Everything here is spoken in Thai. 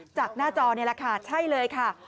จากหน้าจอนี่แหละค่ะใช่เลยค่ะ